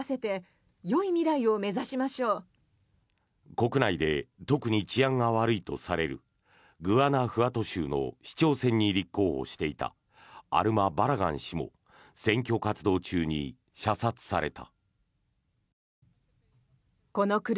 国内で特に治安が悪いとされるグアナフアト州の市長選に立候補していたアルマ・バラガン氏も選挙活動中に射殺された。